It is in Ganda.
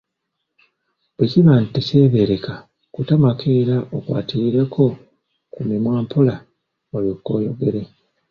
Bwekiba nti tekyebeereka kutamako era okwatirireko ku mimwa mpola, olyoke oyogere.